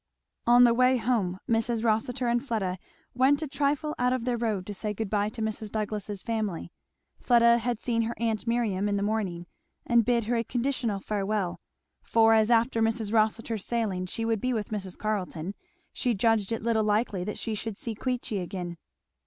On the way home Mrs. Rossitur and Fleda went a trifle out of their road to say good bye to Mrs. Douglass's family. Fleda had seen her aunt Miriam in the morning, and bid her a conditional farewell; for, as after Mrs. Rossitur's sailing she would be with Mrs. Carleton, she judged it little likely that she should see Queechy again.